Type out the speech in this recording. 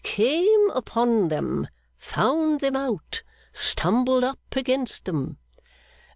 'Came upon them. Found them out. Stumbled against them.